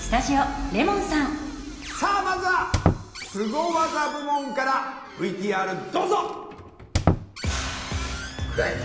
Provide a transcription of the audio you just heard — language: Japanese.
さあまずはスゴ技部門からＶＴＲどうぞ！